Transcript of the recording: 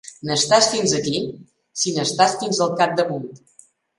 N'estàs fins aquí si n'estàs fins al capdamunt.